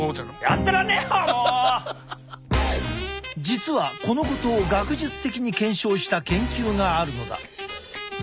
実はこのことを学術的に検証した研究があるのだ。